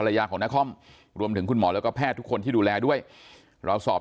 ยาของนครรวมถึงคุณหมอแล้วก็แพทย์ทุกคนที่ดูแลด้วยเราสอบ